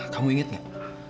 kamu inget gak